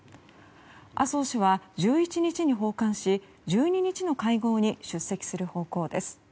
麻生氏は１１日に訪韓し１２日の会合に出席する方向です。